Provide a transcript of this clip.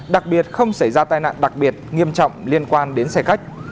đặc biệt không xảy ra tai nạn đặc biệt nghiêm trọng liên quan đến xe khách